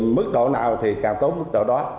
mức độ nào thì càng tốt mức độ đó